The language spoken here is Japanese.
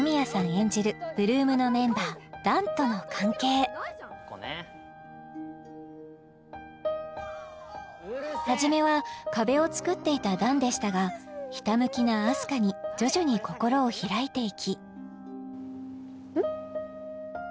演じる８ＬＯＯＭのメンバー弾との関係初めは壁を作っていた弾でしたがひたむきなあす花に徐々に心を開いていきうん？